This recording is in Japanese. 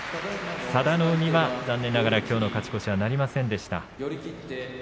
佐田の海は残念ながら、きょうの勝ち越しはなりませんでした。